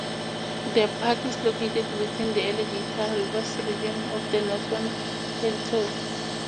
The park is located within the Alligator Rivers Region of the Northern Territory.